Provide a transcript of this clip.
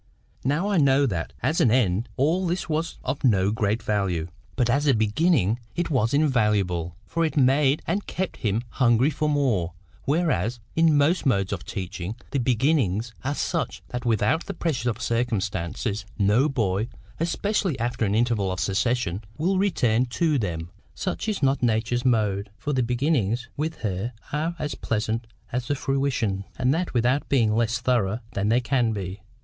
Now I know that, as an end, all this was of no great value; but as a beginning, it was invaluable, for it made and KEPT him hungry for more; whereas, in most modes of teaching, the beginnings are such that without the pressure of circumstances, no boy, especially after an interval of cessation, will return to them. Such is not Nature's mode, for the beginnings with her are as pleasant as the fruition, and that without being less thorough than they can be.